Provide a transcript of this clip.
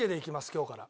今日から。